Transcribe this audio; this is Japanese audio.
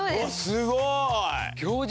すごい！